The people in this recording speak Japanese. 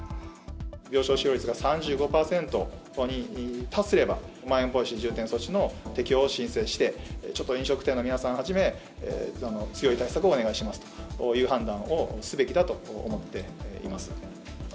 病床使用率が３５％に達すれば、まん延防止重点措置の適用を申請して、ちょっと飲食店の皆さんはじめ、強い対策をお願いしますという判断をすべきだと思っています。